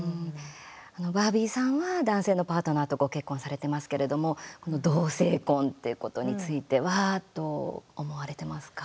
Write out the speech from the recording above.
バービーさんは男性のパートナーとご結婚されてますけれども同性婚ということについてはどう思われてますか？